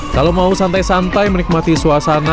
kalau mau santai santai menikmati suasana